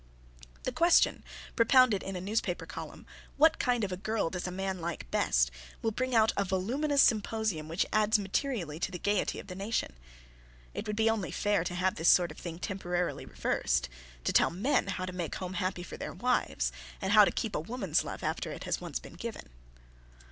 The question, propounded in a newspaper column, "What Kind of a Girl Does a Man Like Best," will bring out a voluminous symposium which adds materially to the gaiety of the nation. It would be only fair to have this sort of thing temporarily reversed to tell men how to make home happy for their wives and how to keep a woman's love, after it has once been given.